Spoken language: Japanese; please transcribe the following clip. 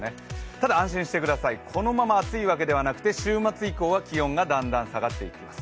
ただ安心してください、このまま暑いわけではなくて週末以降は気温がだんだん下がってきます。